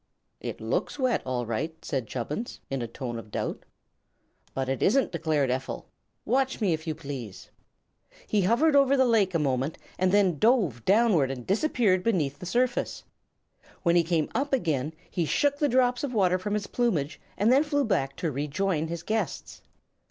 "It looks wet, all right," said Chubbins, in a tone of doubt. "But it isn't," declared Ephel. "Watch me, if you please." He hovered over the lake a moment and then dove downward and disappeared beneath the surface. When he came up again he shook the drops of water from his plumage and then flew back to rejoin his guests.